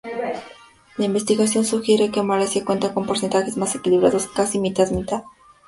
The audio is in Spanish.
La investigación sugiere que Malasia cuenta con porcentajes más equilibrados, casi mitad-mitad.